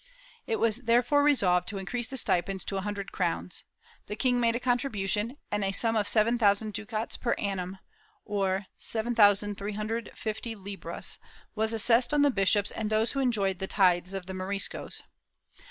It was therefore resolved to increase the stipends to a hundred crowns. The king made a contribution, and a sum of seven thousand ducats per annum (or 7350 libras) was assessed on the bishops and those who enjoyed the tithes of the Moriscos.